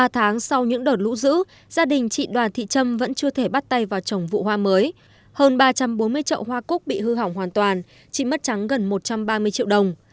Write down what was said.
ba tháng sau những đợt lũ giữ gia đình chị đoàn thị trâm vẫn chưa thể bắt tay vào trồng vụ hoa mới hơn ba trăm bốn mươi trậu hoa cúc bị hư hỏng hoàn toàn chị mất trắng gần một trăm ba mươi triệu đồng